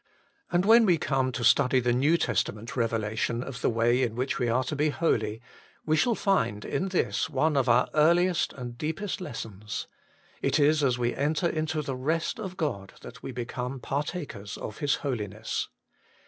And when we come to study the New Testament revelation of the way in which we are 32 HOLY IN CHEIST. to be holy, we shall find in this one of our earliest and deepest lessons. It is as we enter into the rest of God that we become partakers of His Holiness.